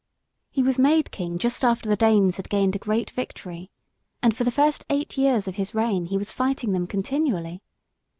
He was made King just after the Danes had gained a great victory, and for the first eight years of his reign he was fighting them continually.